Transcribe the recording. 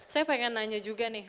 saya pengen nanya juga nih